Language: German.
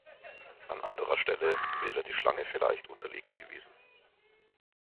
An anderer Stelle wäre die Schlange vielleicht unterlegen gewesen.